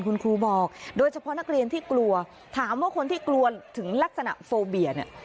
คุณครูบอกโดยเฉพาะนักเรียนที่กลัวถามว่าคนที่กลัวถึงลักษณะโฟเบียเนี่ย